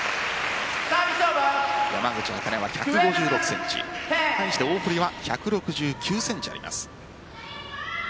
山口茜は１５６ｃｍ対して大堀は１６９ｃｍあります。